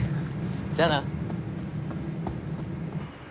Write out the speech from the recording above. じゃあな。